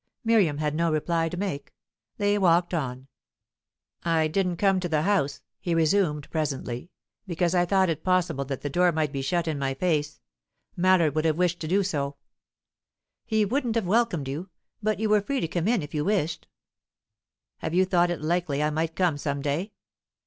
Miriam had no reply to make. They walked on. "I didn't come to the house," he resumed presently, "because I thought it possible that the door might be shut in my face. Mallard would have wished to do so." "He wouldn't have welcomed you; but you were free to come in if you wished." "Have you thought it likely I might come some day?"